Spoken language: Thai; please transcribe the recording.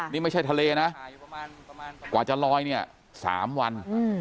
นี่ไม่ใช่ทะเลนะกว่าจะลอยเนี่ย๓วัน